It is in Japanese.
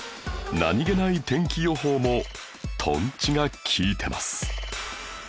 何げない天気予報もとんちが利いてます